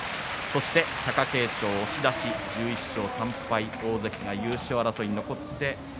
そして貴景勝、押し出し１２勝３敗新大関優勝争いに残りました。